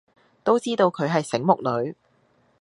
都知道佢係醒目女